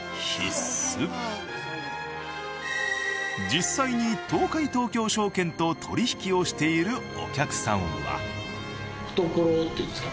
実際に東海東京証券と取引をしているお客さんは。